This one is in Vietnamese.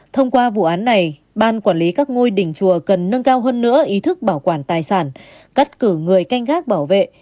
thông qua vụ án này ban quản lý các ngôi đình chùa cần nâng cao hơn nữa ý thức bảo quản tài sản cắt cử người canh gác bảo vệ